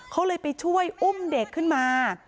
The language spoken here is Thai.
เขาเลยไปช่วยอุ้มเด็กขึ้นมา